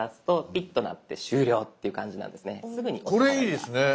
これいいですね！